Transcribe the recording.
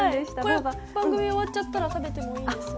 これ番組終わっちゃったら食べてもいいんですか？